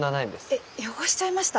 え汚しちゃいました！？